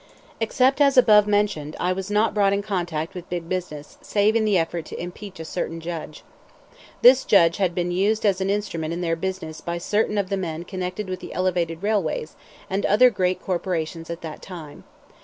Except as above mentioned, I was not brought in contact with big business, save in the effort to impeach a certain judge. This judge had been used as an instrument in their business by certain of the men connected with the elevated railways and other great corporations at that time.